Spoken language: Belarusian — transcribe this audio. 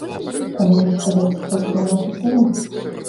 А можа, сказаць стрэчнаму афіцэру?